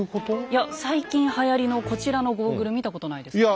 いや最近はやりのこちらのゴーグル見たことないですか？